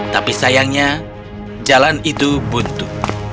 tapi sayangnya jalan itu buntu